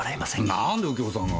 何で右京さんが？